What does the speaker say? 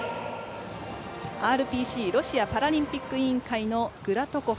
ＲＰＣ＝ロシアパラリンピック委員会のグラトコフ。